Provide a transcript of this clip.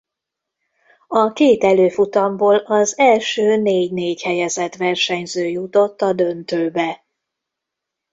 A két előfutamból az első négy-négy helyezett versenyző jutott a döntőbe.